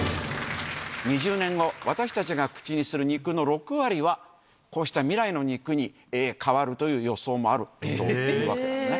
２０年後、私たちが口にする肉の６割は、こうした未来の肉に代わるという予想もあるというわけなんですね。